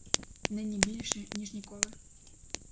Нині більше, ніж коли.